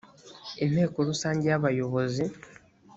i nteko rusange yabayozi.